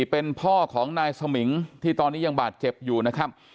เป็นพ่อของนายสมิงที่ตอนนี้ยังบาดเจ็บอยู่นะครับ